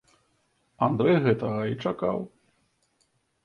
Андрэй гэтага і чакаў.